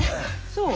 そう。